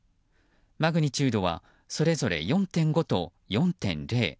マグニチュードはそれぞれ４．５と４．０。